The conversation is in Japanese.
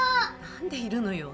何でいるのよ。